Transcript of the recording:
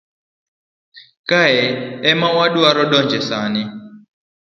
Kae ema wadwaro donje sani.